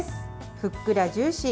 ふっくらジューシー。